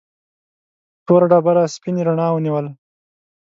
توره ډبره سپینې رڼا ونیوله.